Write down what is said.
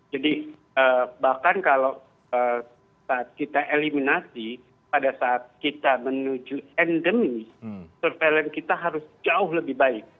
jadi bahkan kalau saat kita eliminasi pada saat kita menuju endemi surveillance kita harus jauh lebih baik